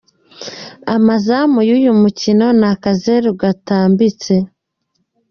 Amazamu y'uyu mukino ni akazeru Gatambitse.